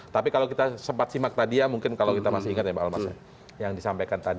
tapi kalau kita sempat simak tadi ya mungkin kalau kita masih ingat ya mbak almas yang disampaikan tadi